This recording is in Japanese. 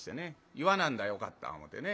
言わなんだらよかった思てね。